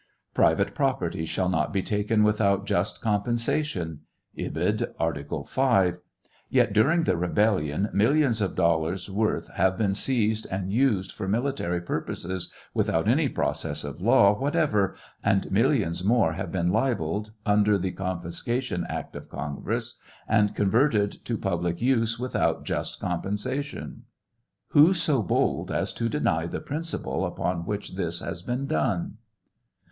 " Private property shall not be taken without just compensation," (Ibid., Arl V ;) yet during the rebellion millions of dollars' worth have been seized and U3e( for military purposes without any process of law whatever, and millions raor have been libelled under the confiscation act of Congress and converted to put lie use without just compensation. Who so bold as to deny thfe principle upon which this has been done